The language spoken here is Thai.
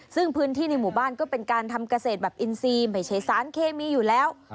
ซึ่งพื้นที่ในหมู่บ้านก็เป็นการทำเกษตรแบบอินซีไม่ใช่สารเคมีอยู่แล้ว